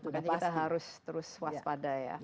makanya kita harus terus waspada ya